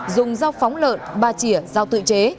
dùng dao phóng lợn ba chỉa dao tự chế